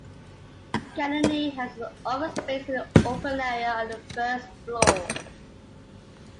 Giannini had his office space in an open area on the first floor.